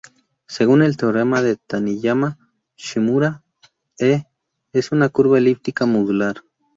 Según el teorema de Taniyama-Shimura, "E" es una curva elíptica modular.